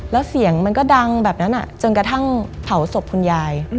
แล้วเสียงมันก็ดังแบบนั้นจนกระทั่งเผาศพคุณยาย